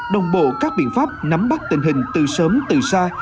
đồng bộ các biện pháp nắm bắt tình hình từ sớm từ xa